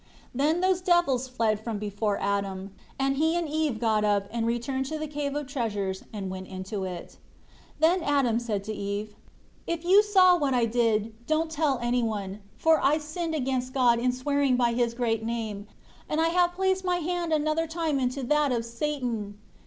4 Then those devils fled from before Adam. And he and Eve got up, and returned to the Cave of Treasures, and went into it. 5 Then Adam said to Eve, "If you saw what I did, don't tell anyone; for I sinned against God in swearing by His great name, and I have placed my hand another time into that of Satan."